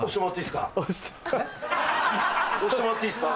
押してもらっていいっすか？